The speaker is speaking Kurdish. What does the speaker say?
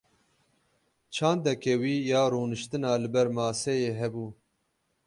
Çandeke wî ya rûniştina li ber maseyê hebû.